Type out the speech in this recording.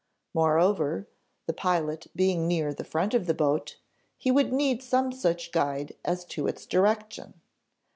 Moreover, the pilot being near the front of the boat, he would need some such guide as to its direction.